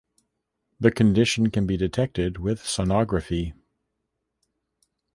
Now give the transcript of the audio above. The condition can be detected with sonography.